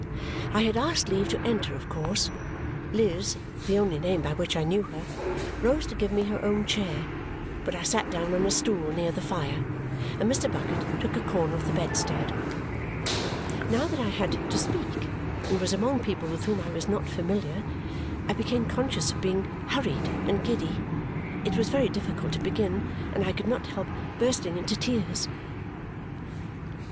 I had asked leave to enter of course. Liz (the only name by which I knew her) rose to give me her own chair, but I sat down on a stool near the fire, and Mr. Bucket took a corner of the bedstead. Now that I had to speak and was among people with whom I was not familiar, I became conscious of being hurried and giddy. It was very difficult to begin, and I could not help bursting into tears.